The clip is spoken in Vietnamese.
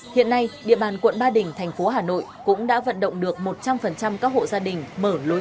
hiện nay địa bàn quận ba đình thành phố hà nội cũng đã vận động được một trăm linh các hộ gia đình mở lối